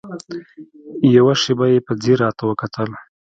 يوه شېبه يې په ځير راته وکتل.